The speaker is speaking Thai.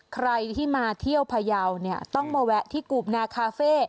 ใครที่มาเที่ยวพยาวเนี่ยต้องมาแวะที่กูบนาคาเฟ่